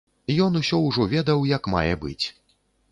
Ён усё ўжо ведаў як мае быць.